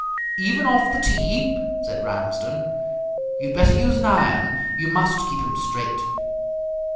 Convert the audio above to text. "Even off the tee," said Ramsden, "you had better use an iron. You must keep 'em straight."